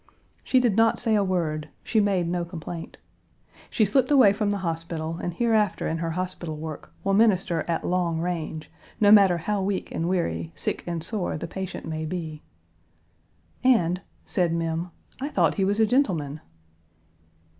She did not say a word; she made no complaint. She slipped away from the hospital, and Page 177 hereafter in her hospital work will minister at long range, no matter how weak and weary, sick and sore, the patient may be. "And," said Mem, "I thought he was a gentleman."